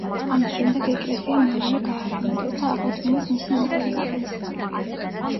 ამის შემდეგ ეკლესია მალევე გაარემონტეს და აღადგინეს მისი ინტერიერიც.